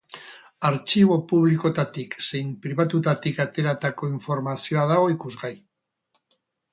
Artxibo publikotatik zein pribatutatik ateratako informazioa dago ikusgai.